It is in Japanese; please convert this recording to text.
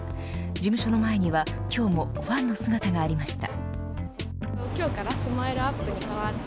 事務所の前には今日もファンの姿がありました。